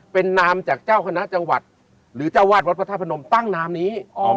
เป็นนามจากเจ้าคณะจังหวัดหรือเจ้าวาดวัดพระธาตุพนมตั้งนามนี้